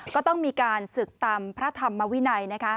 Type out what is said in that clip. ก็ต้องมีการศึกตามพระธรรมวินัย